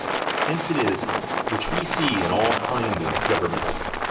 Heace it is, which we see in all kind or govern III.